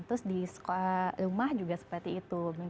terus di sekolah rumah juga seperti itu